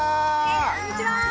こんにちは！